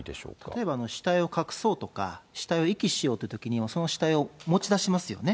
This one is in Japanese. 例えば死体を隠そうとか、死体を遺棄しようといったときに、その死体を持ち出しますよね。